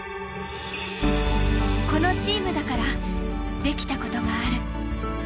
このチームだからできたことがある。